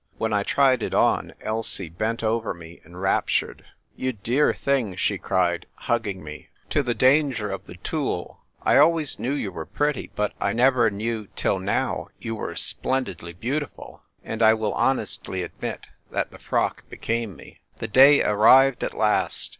When I tried it on, Elsie bent over me enrap tured. "You dear thing!" she cried, hugging me (to the danger of the tulle), " I always knew you were pretty, but I never knew till now you were splendidly beautiful." And I will honestly admit that the frock became me. The day arrived at last.